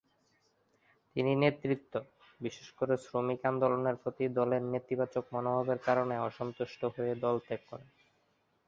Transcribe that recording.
তিনি নেতৃত্ব, বিশেষ করে শ্রমিক আন্দোলনের প্রতি দলের নেতিবাচক মনোভাবের কারণে অসন্তুষ্ট হয়ে দল ত্যাগ করেন।